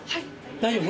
大丈夫？